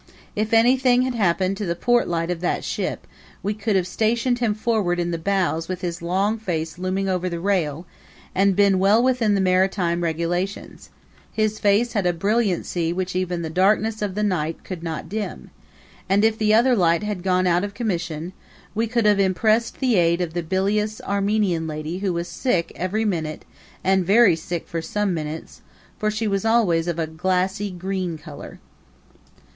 If anything had happened to the port light of that ship, we could have stationed him forward in the bows with his face looming over the rail and been well within the maritime regulations his face had a brilliancy which even the darkness of the night could not dim; and if the other light had gone out of commission, we could have impressed the aid of the bilious Armenian lady who was sick every minute and very sick for some minutes, for she was always of a glassy green color.